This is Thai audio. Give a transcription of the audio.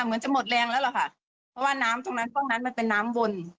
เหมือนจะหมดแรงแล้วล่ะค่ะเพราะว่าน้ำตรงนั้นตรงนั้นมันเป็นน้ำวน